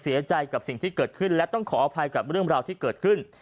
เสียใจกับสิ่งที่เกิดขึ้นและต้องขออภัยกับเรื่องราวที่เกิดขึ้น